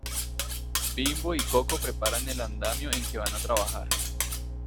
Bimbo y Koko preparan el andamio en que van a trabajar.